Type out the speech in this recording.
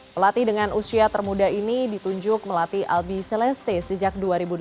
pelatih dengan usia termuda ini ditunjuk melatih albi celeste sejak dua ribu delapan